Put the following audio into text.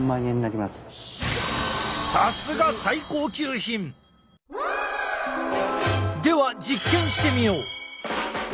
さすが最高級品！では実験してみよう！